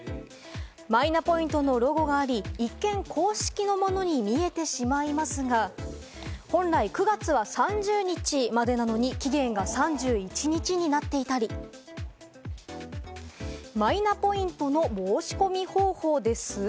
マイナポイントのロゴがあり、一見、公式なものに見えてしまいますが、本来９月は３０日までなのに期限が３１日になっていたり、「マイナポイントの申し込み方法です？」。